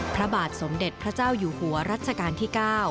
พระบาทสมเด็จพระเจ้าอยู่หัวรัชกาลที่๙